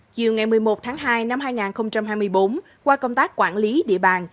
chiều ngày một mươi một tháng hai năm hai nghìn hai mươi bốn qua công tác quản lý địa bàn